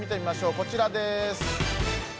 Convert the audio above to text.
こちらです。